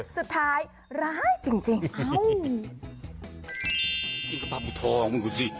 สุดท้ายร้ายจริง